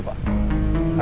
sudah tiga bulan ya